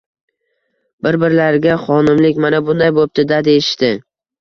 Bir-birlariga "Xonimlik mana bunday bo'pti-da», deyishdi.